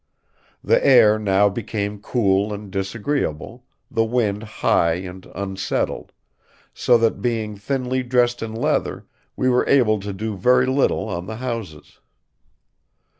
The air now became cool and disagreeable, the wind high and unsettled; so that, being thinly dressed in leather, we were able to do very little on the houses."